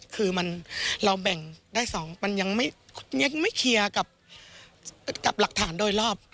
คือเราแบ่งได้๒มันยังไม่เคลียร์กับหลักฐานโดยรอบ